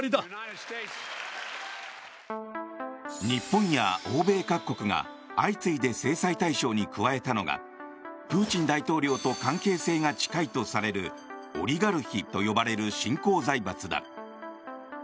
日本や欧米各国が相次いで制裁対象に加えたのがプーチン大統領と関係性が近いとされるオリガルヒと呼ばれる新興財閥だ。